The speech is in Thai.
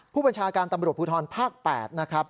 ผู้บัญชาการตำรวจภูทรภาค๘นะครับ